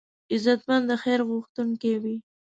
غیرتمند د خیر غوښتونکی وي